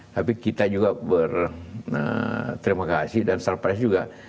tapi kita juga berterima kasih dan surprise juga